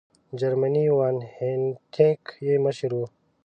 جرمنی وان هینټیګ یې مشر وو.